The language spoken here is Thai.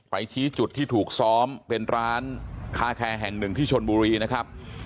ชี้จุดที่ถูกซ้อมเป็นร้านคาแคร์แห่งหนึ่งที่ชนบุรีนะครับ